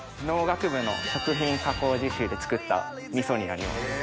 農学部の食品加工実習で作った味噌になります。